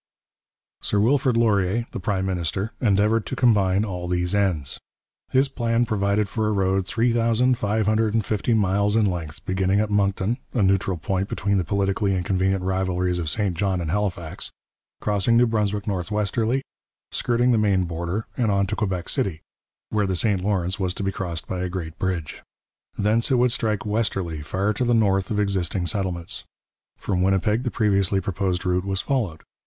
Sir Wilfrid Laurier, the prime minister, endeavoured to combine all these ends. His plan provided for a road 3550 miles in length, beginning at Moncton a neutral point between the politically inconvenient rivalries of St John and Halifax crossing New Brunswick northwesterly, skirting the Maine border, and on to Quebec City, where the St Lawrence was to be crossed by a great bridge. Thence it would strike westerly far to the north of existing settlements. From Winnipeg the previously proposed route was followed.